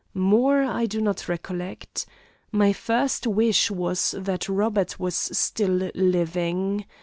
More I do not recollect. My first wish was that Robert was still living.